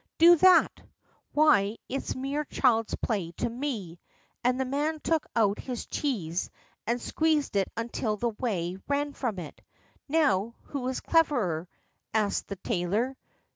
"Do that! Why, it's mere child's play to me," and the man took out his cheese and squeezed it until the whey ran from it. "Now who is cleverer?" asked the tailor.